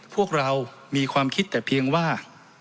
พวกเรามีความคิดแต่เพียงว่า